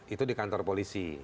itu di kantor polisi